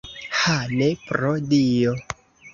Ha, ne, pro Dio!